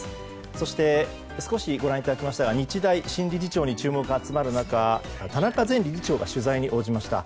そして少しご覧いただきましたが日大新理事長に注目が集まる中田中前理事長が取材に応じました。